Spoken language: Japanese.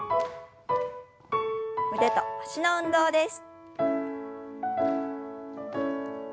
腕と脚の運動です。